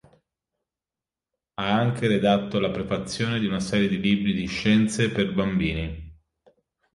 Ha anche redatto la prefazione di una serie di libri di scienze per bambini.